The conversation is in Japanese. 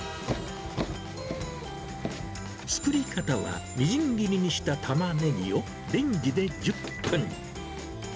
作り方はみじん切りにしたたまねぎをレンジで１０分。